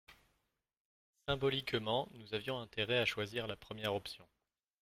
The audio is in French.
Symboliquement, nous avions intérêt à choisir la première option.